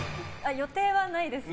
予定はないですね。